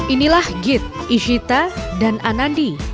inilah git ishita dan anandi